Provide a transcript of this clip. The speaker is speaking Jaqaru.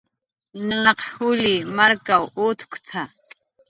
"Naq juli markaw utkt""a"